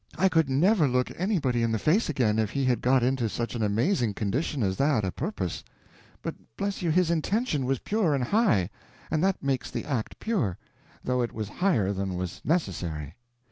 I could never look anybody in the face again if he had got into such an amazing condition as that a purpose; but bless you his intention was pure and high, and that makes the act pure, though it was higher than was necessary.